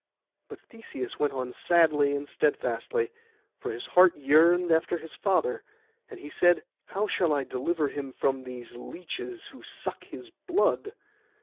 But Theseus went on sadly and steadfastly, for his heart yearned after his father; and he said, 'How shall I deliver him from these leeches who suck his blood?